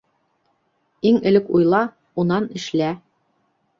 Иң элек уйла, унан эшлә.